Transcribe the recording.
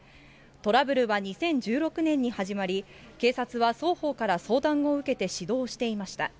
トラブルは２０１６年に始まり、警察は双方から相談を受けて指導していました。